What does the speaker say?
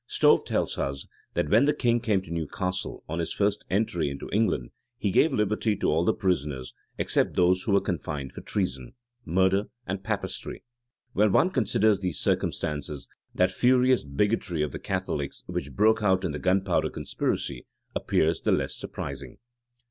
Stowe tells us, that when the king came to Newcastle, on his first entry into England, he gave liberty to all the prisoners, except those who were confined for treason, murder, and Papistry. When one considers these circumstances, that furious bigotry of the Catholics which broke out in the gunpowder conspiracy, appears the less surprising.